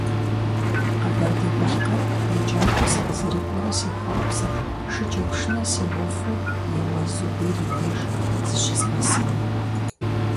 Къэбэрдей-Балъкъэрым еджакӀуэ сыкъызэрыкӀуэрэ сехъуапсэрт шыкӀэпшынэ сеуэфу Еуаз Зубер и деж зыщызгъэсэну.